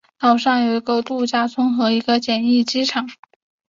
岛上有一个度假村和一个简易机场。